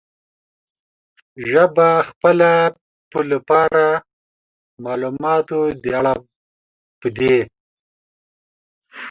ژبه خپله په لپاره، معلوماتو د اړه پدې